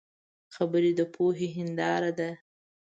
خبرې د پوهې هنداره ده